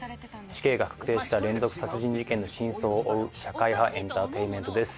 死刑が確定した連続殺人事件の真相を追う社会派エンターテインメントです是非ご覧ください。